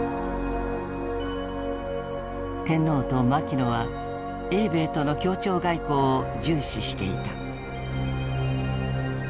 天皇と牧野は英米との協調外交を重視していた。